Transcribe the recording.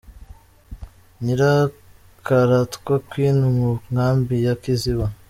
Nyirakaratwa Queen mu Nkambi ya Kiziba.